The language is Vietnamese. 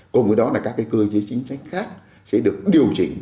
cùng với đó là các cơ chế chính sách khác sẽ được điều chỉnh